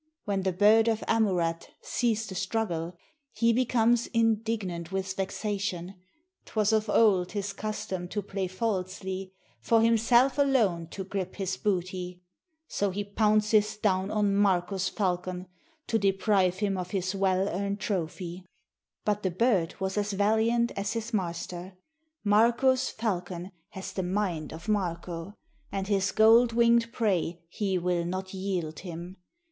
When the bird of Amurath sees the struggle, He becomes indignant with vexation : 'T was of old his custom to play falsely — For himself alone to grip his booty: So he pounces down on Marko's falcon, To deprive him of his well earn'd trophy. But the bird was valiant as his master; Marko's falcon has the mind of Marko; And his gold wing'd prey he will not yield him.